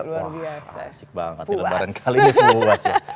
wah asik banget ini lembaran kali ini puas ya